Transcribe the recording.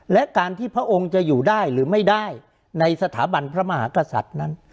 และการที่พระองค์จะอยู่ได้หรือไม่ได้ในสถาบันพระมหากษัตริย์นั้น